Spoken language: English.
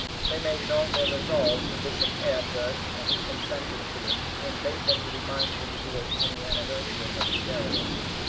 They made known their resolve to Bishop Eadbert, and he consented to it, and bade them to be mindful to do it on the anniversary of his burial.